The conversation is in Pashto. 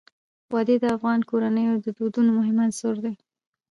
وادي د افغان کورنیو د دودونو مهم عنصر دی.